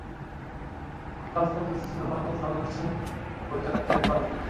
গতকাল সেন্সরবোর্ড সদস্যদের মতামতের সনদ আনুষ্ঠানিকভাবে হাতে পান পরিচালক রেদওয়ান রনি।